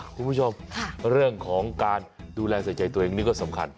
คุณผู้ชมเรื่องของการดูแลใส่ใจตัวเองนี่ก็สำคัญ